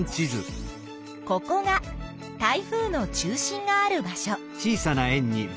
ここが台風の中心がある場所。